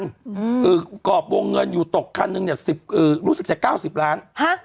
คือก่อบวงเงินอยู่ตกคันหนึ่งรู้สึกจะ๙๐ล้าน